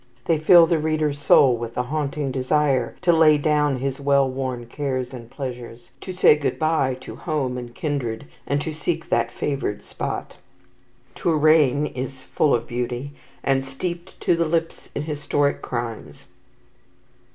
They fill the reader's soul with a haunting desire to lay down his well worn cares and pleasures, to say good bye to home and kindred, and to seek that favoured spot. Touraine is full of beauty, and steeped to the lips in historic crimes.